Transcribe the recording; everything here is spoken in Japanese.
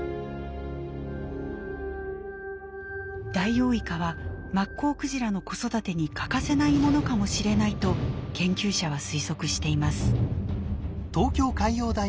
ダイオウイカはマッコウクジラの子育てに欠かせないものかもしれないと研究者は推測しています。